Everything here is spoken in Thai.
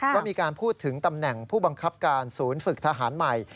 ก็มีการพูดถึงตำแหน่งผู้บังคับการศูนย์ฝึกทหารใหม่